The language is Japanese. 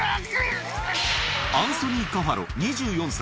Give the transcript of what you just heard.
アンソニー・カファロ２４歳。